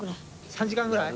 ３時間ぐらい？